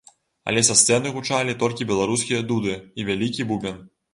Але са сцэны гучалі толькі беларускія дуды і вялікі бубен!